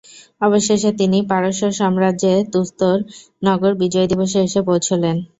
অবশেষে তিনি পারস্য সাম্রাজ্যের তুস্তর নগরী বিজয় দিবসে এসে পৌঁছলেন।